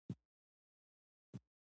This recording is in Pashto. د والدینو رضا د خدای رضا ده.